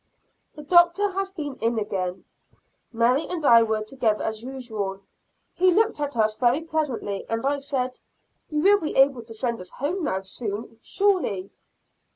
The Doctor has been in again: Mary and I were together as usual. He looked at us very pleasantly, and I said, "You will be able to send us home now soon, surely."